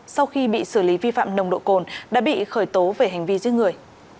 sau khi bị xử lý vi phạm nồng độ cồn đã bị khởi tố về hành vi giết người